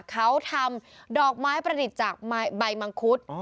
เขาทำดอกไม้ประดิษฐ์จากใบมังคุด